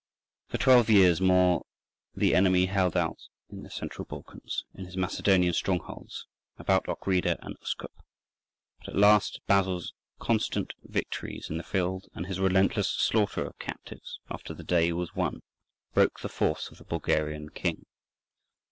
For twelve years more the enemy held out in the Central Balkans, in his Macedonian strongholds, about Ochrida and Uskup. But at last, Basil's constant victories in the field, and his relentless slaughter of captives after the day was won, broke the force of the Bulgarian king.